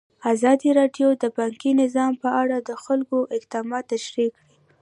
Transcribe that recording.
ازادي راډیو د بانکي نظام په اړه د حکومت اقدامات تشریح کړي.